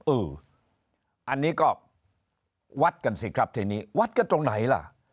เอออันนี้ก็วัดกันสิครับทีนี้วัดกันตรงไหนล่ะ